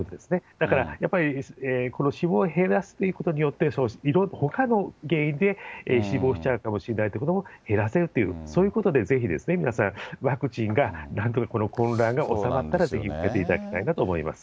だから、やっぱりこの死亡を減らすということによって、いろいろとほかの原因で死亡しちゃうかもしれないということも減らせるという、そういうことでぜひ皆さん、ワクチンが、なんとかこの混乱が収まったら、ぜひ受けていただきたいなと思います。